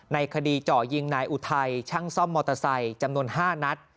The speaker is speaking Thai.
ในคดีเจาะยิงนายอุทัยช่างซ่อมมอเตอร์ไซค์จำนวน๕นัด